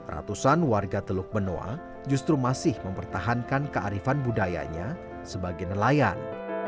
ratusan warga teluk benoa justru masih mempertahankan kearifan budayanya sebagai nelayan